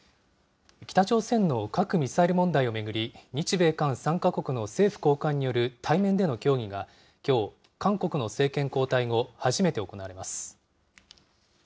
北朝鮮の核・ミサイル問題を巡り、日米韓３か国の政府高官による対面での協議がきょう、韓国の政権交代後、初めて行われます。